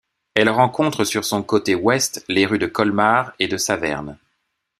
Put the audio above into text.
Elle rencontre sur son côté ouest les rues de Colmar et de Saverne.